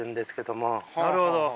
なるほど。